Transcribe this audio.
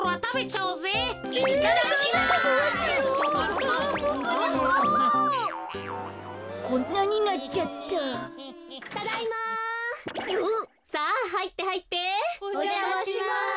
おじゃまします。